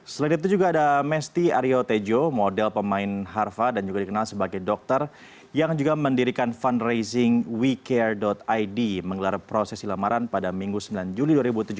selain itu juga ada mesty aryo tejo model pemain harva dan juga dikenal sebagai dokter yang juga mendirikan fundraising wecare id menggelar prosesi lamaran pada minggu sembilan juli dua ribu tujuh belas